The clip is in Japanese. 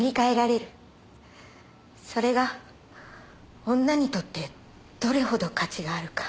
それが女にとってどれほど価値があるか。